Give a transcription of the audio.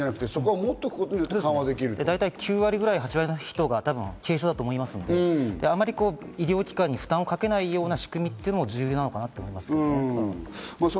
だいたい９割くらい、８割ぐらいの方が軽症者だと思うので、あんまり医療機関に負担をかけないような仕組みというのも重要かなと思います。